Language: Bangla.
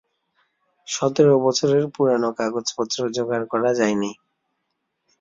সতের বছরের পুরানো কাগজপত্র জোগাড় করা যায় নি।